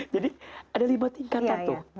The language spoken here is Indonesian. jadi ada lima tingkatan tuh